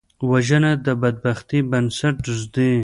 وژنه د بدبختۍ بنسټ ږدي